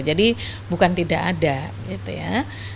jadi bukan tidak ada gitu ya